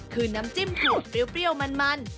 คือน้ำจิ้มถูกเปรี้ยวมัน